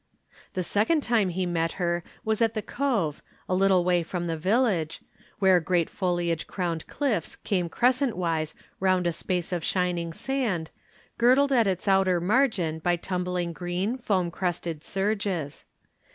The second time he met her was at the Cove, a little way from the village, where great foliage crowned cliffs came crescent wise round a space of shining sand, girdled at its outer margin by tumbling green, foam crested surges.